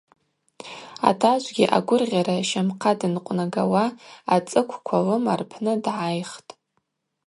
Атажвгьи агвыргъьара щамхъа дынкъвнагауа ацӏыквква лыма рпны дгӏайхтӏ.